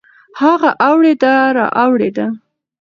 هغه اوړېده رااوړېده.